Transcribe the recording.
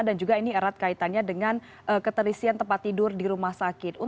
juga ini erat kaitannya dengan keterisian tempat tidur di rumah sakit